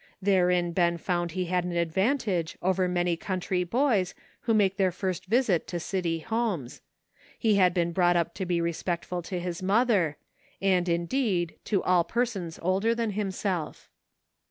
Therein Ben found he had an advantage over many country boys who make their first visit to city homes ; he had been brought up to be respectful to his mother, and indeed to all persons older than himself.